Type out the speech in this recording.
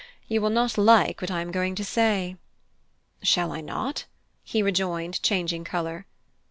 You will not like what I am going to say." "Shall I not?" he rejoined, changing colour.